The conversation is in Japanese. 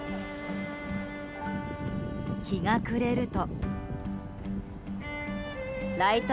日が暮れると。